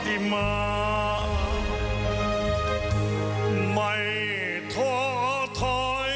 เพราะปุงไม่ได้คิดอะไรในร่วงหน้าเลย